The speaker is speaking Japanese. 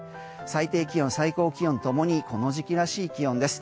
最低気温、最高気温共にこの時期らしい気温です。